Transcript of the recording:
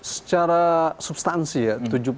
secara substansi ya